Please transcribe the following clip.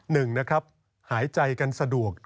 หนึ่งนะครับหายใจกันสะดวก